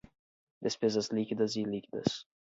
Despesas líquidas e ilíquidas